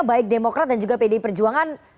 baik demokrat dan juga pdi perjuangan